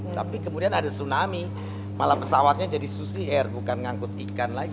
tapi kemudian ada tsunami malah pesawatnya jadi susi air bukan ngangkut ikan lagi